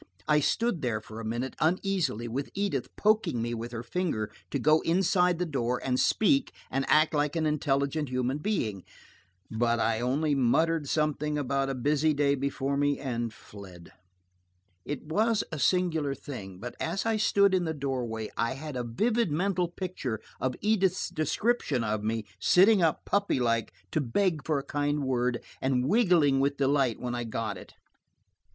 I stood there for a minute uneasily, with Edith poking me with her finger to go inside the door and speak and act like an intelligent human being. But I only muttered something about a busy day before me and fled. It was a singular thing, but as I stood in the doorway, I had a vivid mental picture of Edith's description of me, sitting up puppy like to beg for a kind word, and wiggling with delight when I got it.